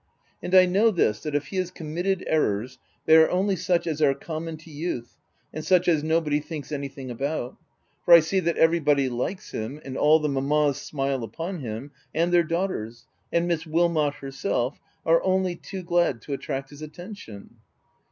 And I know this, that if he has committed errors, they are only such as are common to youth, and such as nobody thinks anything OF WILDFELL HALL. 313 about ; for I see that everybody likes him, and all the mammas smile upon him, and their daughters — and Miss Wilmot herself are only too glad to attract his attention."